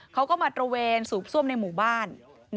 เขาก็มาตระเวนสูบซ่วมในหมู่บ้าน